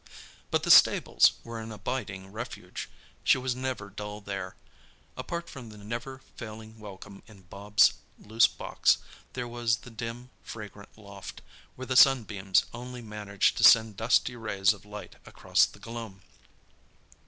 But the stables were an abiding refuge. She was never dull there. Apart from the never failing welcome in Bobs' loose box, there was the dim, fragrant loft, where the sunbeams only managed to send dusty rays of light across the gloom.